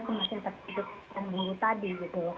semua yang terkait dengan buruh tadi